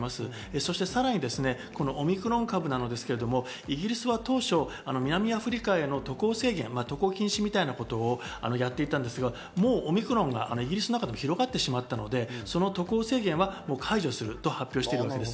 そしてさらにオミクロン株ですけれども、イギリスは当初、南アフリカへの渡航制限、渡航禁止みたいなことをやっていたんですが、もうオミクロンがイギリスなんかでも広がってしまったので、その渡航制限は解除すると発表しています。